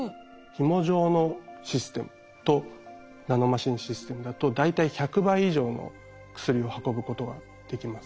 ひも状のシステムとナノマシンのシステムだと大体１００倍以上の薬を運ぶことができます。